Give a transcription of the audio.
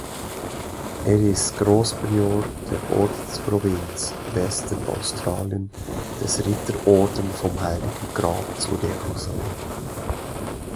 Er ist Großprior der Ordensprovinz Western Australien des Ritterorden vom Heiligen Grab zu Jerusalem.